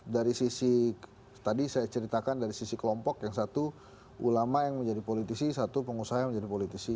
dari sisi tadi saya ceritakan dari sisi kelompok yang satu ulama yang menjadi politisi satu pengusaha yang menjadi politisi